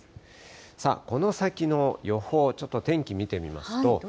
さあ、この先の予報、ちょっと天気見てみますと。